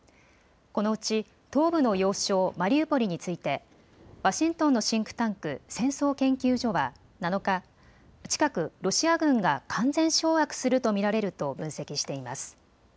このうち東部の要衝マリウポリについてワシントンのシンクタンク、戦争研究所は７日、近くロシア軍が完全掌握すると見られると分析しています。